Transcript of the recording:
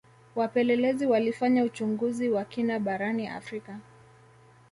wapelelezi walifanya uchunguzi wa kina barani afrika